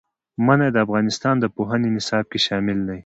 منی د افغانستان د پوهنې نصاب کې شامل دي.